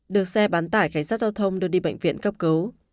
được xe bán tải cảnh sát giao thông đưa đi bệnh viện cấp cứu